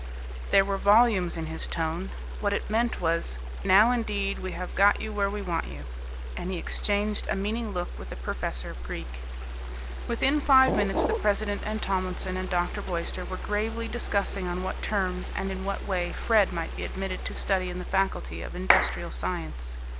There were volumes in his tone. What it meant was, "Now, indeed, we have got you where we want you," and he exchanged a meaning look with the professor of Greek. Within five minutes the president and Tomlinson and Dr. Boyster were gravely discussing on what terms and in what way Fred might be admitted to study in the faculty of industrial science.